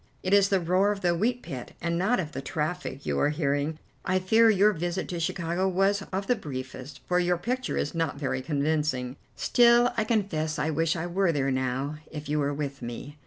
It is the roar of the wheat pit, and not of the traffic you are hearing. I fear your visit to Chicago was of the briefest, for your picture is not very convincing. Still, I confess I wish I were there now, if you were with me."